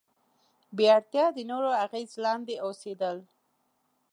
بې اړتیا د نورو اغیز لاندې اوسېدل.